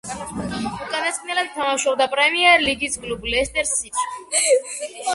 უკანასკნელად თამაშობდა პრემიერ ლიგის კლუბ „ლესტერ სიტიში“.